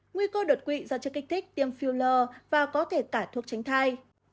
nguy cơ đột quỵ do chất kích thích tiêm filler và có thể cả thuốc tránh thai